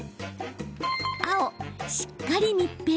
青・しっかり密閉。